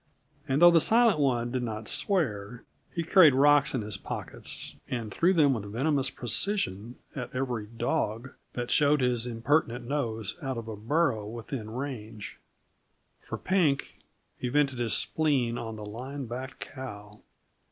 And though the Silent One did not swear, he carried rocks in his pockets, and threw them with venomous precision at every "dog" that showed his impertinent nose out of a burrow within range. For Pink, he vented his spleen on the line backed cow.